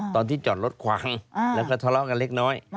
ตอนที่จอดรถขวางแล้วก็ทะเลาะกันเล็กน้อย